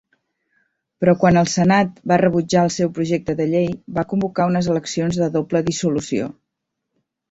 Però quan el Senat va rebutjar el seu projecte de llei, va convocar unes eleccions de doble dissolució.